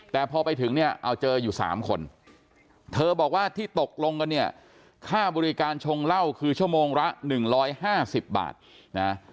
แต่พอไปถึงเนี่ยเอาเจออยู่๓คนเธอบอกว่าที่ตกลงกันเนี่ยค่าบริการชงเหล้าคือชั่วโมงละ๑๕๐บาทนะ